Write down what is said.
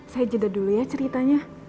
saya jeda dulu ya ceritanya